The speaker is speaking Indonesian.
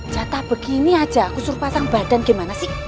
jatah begini aja kusur pasang badan gimana sih